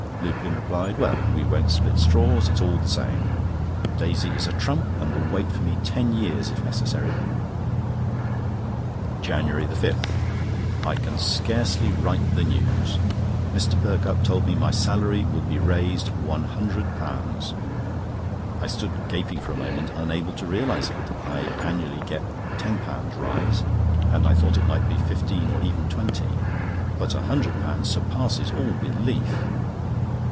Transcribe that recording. Lupin replied: "Well, we won't split straws—it's all the same. Daisy is a trump, and will wait for me ten years, if necessary." JANUARY 5.—I can scarcely write the news. Mr. Perkupp told me my salary would be raised £100! I stood gaping for a moment unable to realise it. I annually get £10 rise, and I thought it might be £15 or even £20; but £100 surpasses all belief.